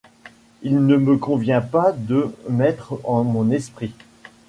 Il ne me convient pas de mettre en mon esprit